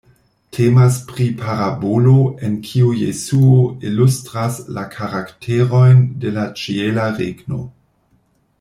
Temas pri parabolo en kiu Jesuo ilustras la karakterojn de la Ĉiela Regno.